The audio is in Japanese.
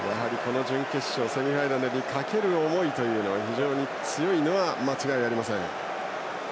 準決勝、セミファイナルにかける思いというのが非常に強いのは間違いありません。